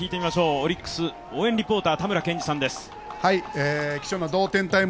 オリックス・応援リポーター、たむらさんです。